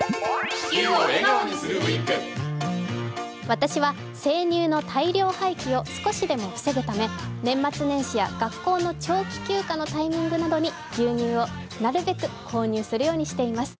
私は生乳の大量廃棄を少しでも防ぐため、年末年始や学校の長期休暇のタイミングなどに牛乳をなるべく購入するようにしています。